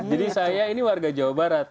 jadi saya ini warga jawa barat